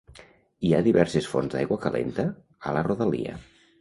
Hi ha diverses fonts d'aigua calenta a la rodalia.